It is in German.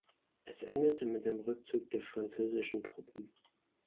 Es endete mit dem Rückzug der französischen Truppen.